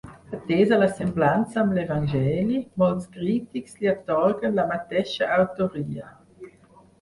Atesa la semblança amb l'Evangeli, molts crítics li atorguen la mateixa autoria.